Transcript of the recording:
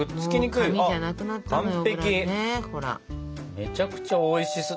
めちゃくちゃおいしそう。